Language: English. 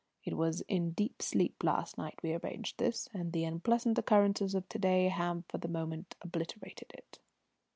"It was in deep sleep last night we arranged this, and the unpleasant occurrences of to day have for the moment obliterated it."